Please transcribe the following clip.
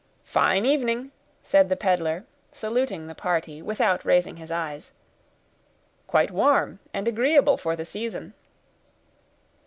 "Fine evening," said the peddler, saluting the party, without raising his eyes; "quite warm and agreeable for the season."